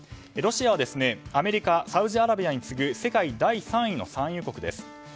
ロシアはアメリカ、サウジアラビアに次ぐ世界第３位の産油国です。